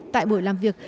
tại buổi làm việc